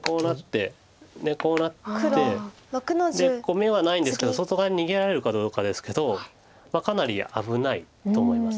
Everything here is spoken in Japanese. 眼はないんですけど外側に逃げられるかどうかですけどかなり危ないと思います